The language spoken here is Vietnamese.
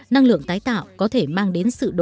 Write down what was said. năng lượng tái tạo có thể mang đến sự đổi